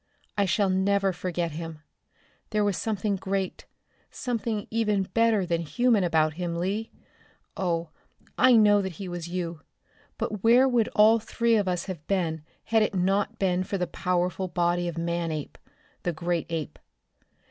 "I shall never forget him. There was something great, something even better than human about him, Lee! Oh, I know that he was you but where would all three of us have been had it not been for the powerful body of Manape, the great ape?